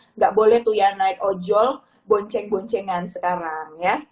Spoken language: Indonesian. nggak boleh tuh ya naik ojol bonceng boncengan sekarang ya